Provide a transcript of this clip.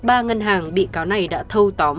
ba ngân hàng bị cáo này đã thâu tóm